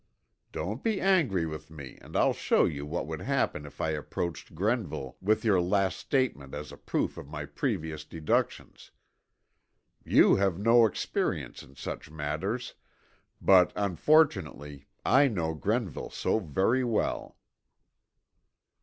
Don't be angry with me and I'll show you what would happen if I approached Grenville with your last statement as a proof of my previous deductions. You have no experience in such matters, but, unfortunately, I know Grenville so very well."